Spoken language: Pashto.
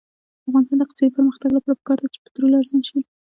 د افغانستان د اقتصادي پرمختګ لپاره پکار ده چې پټرول ارزانه شي.